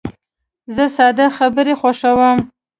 زه ساده خبرې خوښوم.